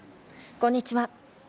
こんにちは。